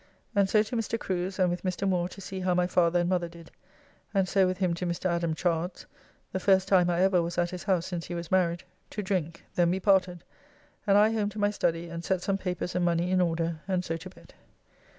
And so to Mr. Crew's, and with Mr. Moore to see how my father and mother did, and so with him to Mr. Adam Chard's' (the first time I ever was at his house since he was married) to drink, then we parted, and I home to my study, and set some papers and money in order, and so to bed.